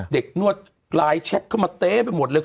เด็กนวดไลน์แช็คเขามาเต้ไปหมดเลย